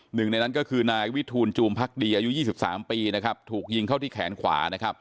หนึ่งในนั้นก็คือนายวิทูลจูมพักดีอายุ๒๓ปีนะครับถูกยิงเข้าที่แขนขวานะครับ